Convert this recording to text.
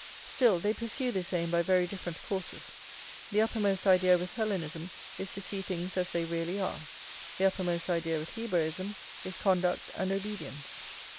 Still, they pursue this aim by very different courses. The uppermost idea with Hellenism is to see things as they really are; the uppermost idea with Hebraism is conduct and obedience.